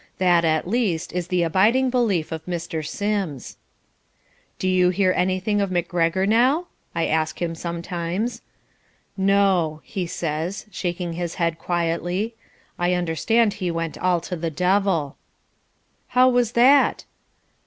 That, at least, is the abiding belief of Mr. Sims. "Do you ever hear anything of McGregor now?" I ask him sometimes. "No," he says, shaking his head quietly. "I understand he went all to the devil." "How was that?"